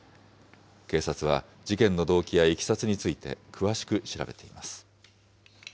警察は事件の動機やいきさつについて詳しく調べています。